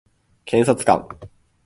検察官